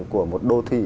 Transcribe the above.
của một đô thị